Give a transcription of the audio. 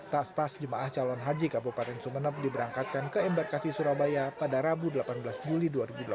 tas tas jemaah calon haji kabupaten sumeneb diberangkatkan ke embarkasi surabaya pada rabu delapan belas juli dua ribu delapan belas